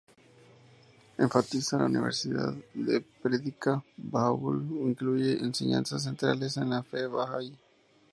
Enfatiza la universalidad que predica Bahá'u'lláh, e incluye enseñanzas centrales de la Fe Bahá'í.